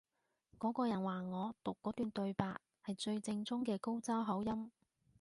嗰個人話我讀嗰段對白係最正宗嘅高州口音